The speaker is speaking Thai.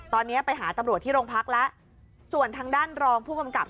ตอนนี้ไปหาตำรวจที่โรงพักแล้วส่วนทางด้านรองผู้กำกับ